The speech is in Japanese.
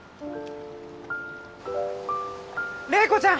怜子ちゃん！